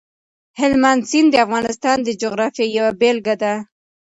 هلمند سیند د افغانستان د جغرافیې یوه بېلګه ده.